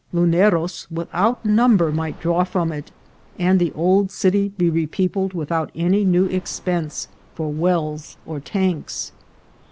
Luneros without number might draw from it, and the old city be repeopled with out any new expense for wells or tanks.